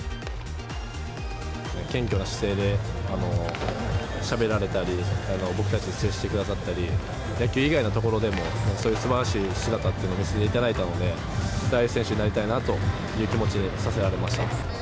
謙虚な姿勢でしゃべられたり、僕たちに接してくださったり、野球以外のところでも、そういうすばらしい姿っていうのを見せていただいたので、自分もああいう選手になりたいなという気持ちにさせられました。